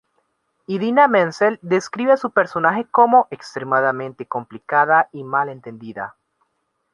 Idina Menzel describe a su personaje como "extremadamente complicada y mal entendida".